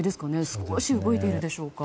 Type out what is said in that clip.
少し動いているでしょうか。